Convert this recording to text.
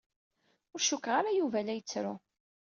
Ur cukkteɣ ara Yuba la yettru.